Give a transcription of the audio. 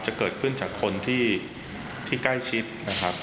จะเกิดขึ้นจากคนที่ใกล้ชิดนะครับ